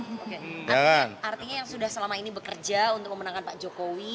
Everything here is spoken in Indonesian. artinya yang sudah selama ini bekerja untuk memenangkan pak jokowi